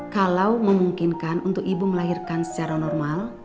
kalau memungkinkan untuk ibu melahirkan secara normal